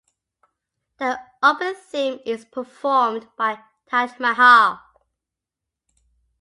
The opening theme is performed by Taj Mahal.